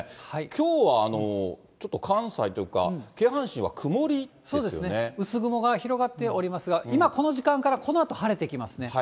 きょうはちょっと関西というか、そうですね、薄雲が広がっておりますが、今、この時間から、このあと晴れてきますね。